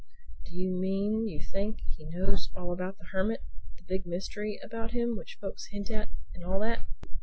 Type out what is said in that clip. "Do you mean you think he knows all about the Hermit, the big mystery about him which folks hint at and all that?"